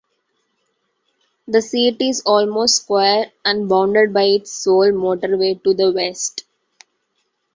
The seat is almost square and bounded by its sole motorway to the west.